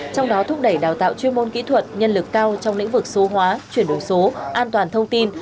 trong đó thúc đẩy đào tạo chuyên môn kỹ thuật nhân lực cao trong lĩnh vực số hóa chuyển đổi số an toàn thông tin